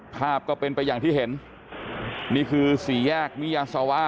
ภาพก็เป็นไปอย่างที่เห็นนี่คือสี่แยกมิยาซาวะ